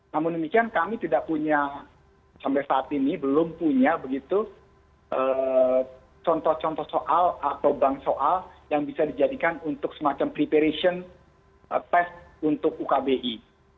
namun demikian kami tidak punya sampai saat ini belum punya begitu contoh contoh soal atau bank soal yang bisa dijadikan untuk semacam preparation test untuk ukbi